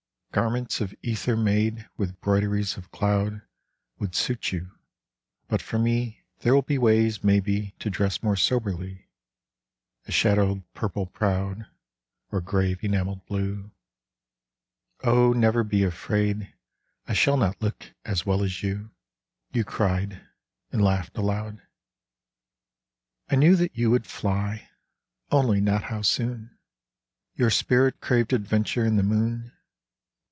34> Adventure Garments of ether made With broideries of cloud Would suit you : but for me There will be ways maybe To dress more soberly: A shadowed purple proud Or grave enameled blue, Oh, never be afraid I shall not look as well as you !" You cried, and laughed aloud. I knew that you would fly, Only not how soon ! Your spirit craved adventure in the moon.